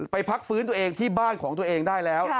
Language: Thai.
พักฟื้นตัวเองที่บ้านของตัวเองได้แล้ว